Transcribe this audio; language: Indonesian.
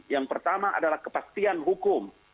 yang pertama adalah kepastian hukum